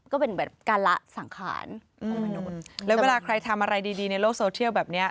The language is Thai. ก็เป็นแบบการละสังขารของมนุษย์แล้วเวลาใครทำอะไรดีดีในโลกโซเชียลแบบเนี้ย